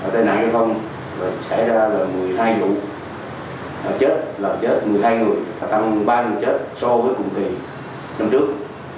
tại nạn giao thông xảy ra là một mươi hai vụ chết làm chết một mươi hai người tăng ba người chết so với cùng thị năm trước